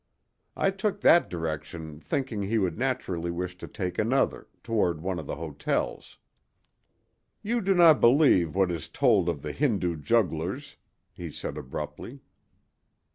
I took that direction thinking he would naturally wish to take another, toward one of the hotels. "You do not believe what is told of the Hindu jugglers," he said abruptly.